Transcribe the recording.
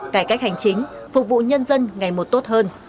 cải cách hành chính phục vụ nhân dân ngày một tốt hơn